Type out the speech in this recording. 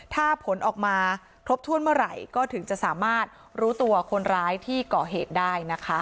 ถ้าผลออกมาครบถ้วนเมื่อไหร่ก็ถึงจะสามารถรู้ตัวคนร้ายที่ก่อเหตุได้นะคะ